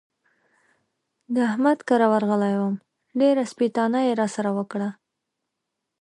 د احمد کره ورغلی وم؛ ډېره سپېتانه يې را سره وکړه.